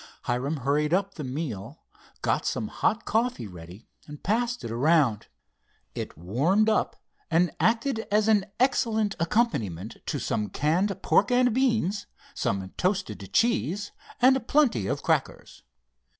Hiram hurried up the meal, got some hot coffee ready, and passed it around. It warmed up, and acted as an excellent accompaniment to some canned pork and beans, some toasted cheese, and plenty of crackers.